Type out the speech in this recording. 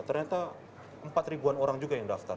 ternyata empat ribuan orang juga yang daftar